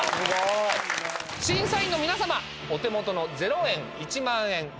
審査員の皆様お手元の０円１万円